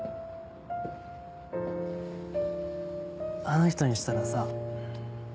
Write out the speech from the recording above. あの人にしたらさ